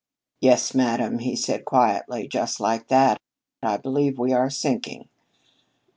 'Yes, madam,' he said quietly, just like that, 'I believe we are sinking.'